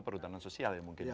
perhutanan sosial ya mungkin ya